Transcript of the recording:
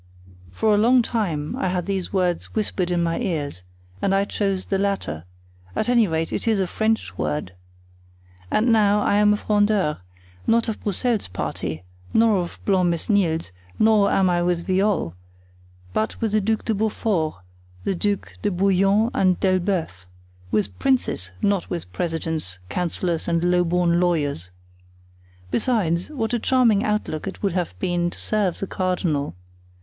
For a long time I had these words whispered in my ears, and I chose the latter; at any rate, it is a French word. And now, I am a Frondeur—not of Broussel's party, nor of Blancmesnil's, nor am I with Viole; but with the Duc de Beaufort, the Ducs de Bouillon and d'Elbeuf; with princes, not with presidents, councillors and low born lawyers. Besides, what a charming outlook it would have been to serve the cardinal!